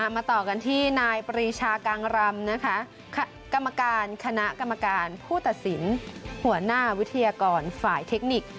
มาต่อกันที่นายปรีชากางรำนะคะกรรมการคณะกรรมการผู้ตัดสินหัวหน้าวิทยากรฝ่ายเทคนิค